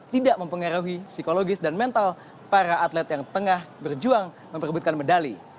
tidak mempengaruhi psikologis dan mental para atlet yang tengah berjuang memperbutkan medali